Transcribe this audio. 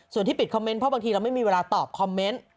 ส่วนที่ปิดคอมเมนต์เพราะบางทีเราไม่มีเวลาตอบคอมเมนต์